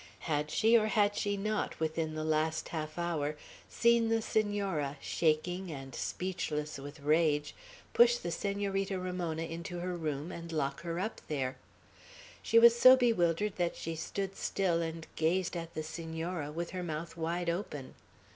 Had she, or had she not, within the last half hour, seen the Senora, shaking and speechless with rage, push the Senorita Ramona into her room, and lock her up there? She was so bewildered that she stood still and gazed at the Senora, with her mouth wide open.